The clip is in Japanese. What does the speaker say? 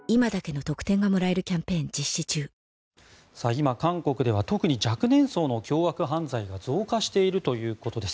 今、韓国では特に若年層の凶悪犯罪が増加しているということです。